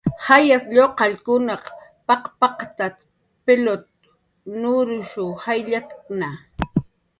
"Jayas lluqallkunsq kuchin p""usputp""shqaw pilut nurush jayllatkna."